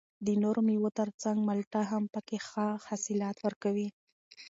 د نورو مېوو تر څنګ مالټه هم پکې ښه حاصلات ورکوي